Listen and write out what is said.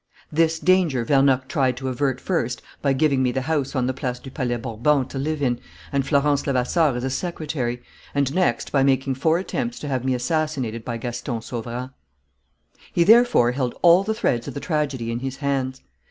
This danger Vernocq tried to avert first by giving me the house on the Place du Palais Bourbon to live in and Florence Levasseur as a secretary, and next by making four attempts to have me assassinated by Gaston Sauverand. "He therefore held all the threads of the tragedy in his hands.